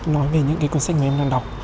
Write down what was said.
nói về những cái cuốn sách mà em đang đọc